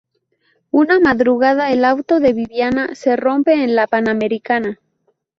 Una madrugada, el auto de Viviana se rompe en la Panamericana.